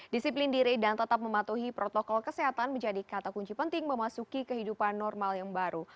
disiplin diri dan tetap mematuhi protokol kesehatan menjadi kata kunci penting memasuki kehidupan normal yang baru